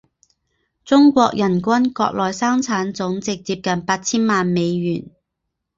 中国人均国内生产总值接近八千万美元。